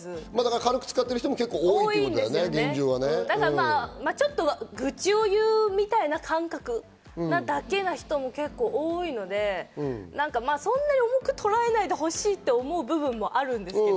軽く使ってる人もちょっと愚痴を言うみたいな感覚なだけな人も結構、多いので、そんなに重くとらえないでほしいって思う部分もあるんですけど。